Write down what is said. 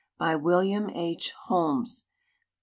By William H. Holmes. Pp.